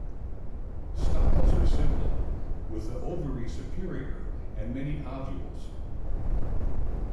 Styles are simple, with the ovary superior, and many ovules.